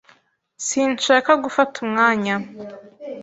Sinshaka gufata umwanya.